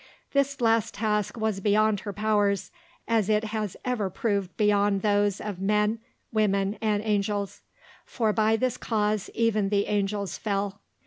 This last task was beyond her powers, as it has ever proved beyond those of men, women, and angels; for by this cause even the angels fell.